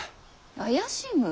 怪しむ？